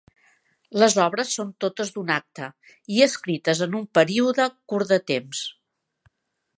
Les obres són totes d'un acte, i escrites en un període curt de temps.